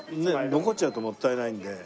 残っちゃうともったいないので。